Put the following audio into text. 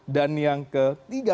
dan yang ke tiga adalah